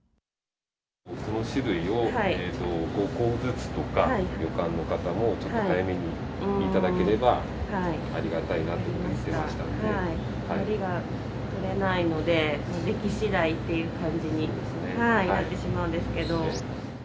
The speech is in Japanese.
この種類を５個ずつとか、旅館の方も、ちょっと早めに頂ければ、ありがたいなと言っていまのりが取れないので、出来しだいっていう感じになってしまうんですけど。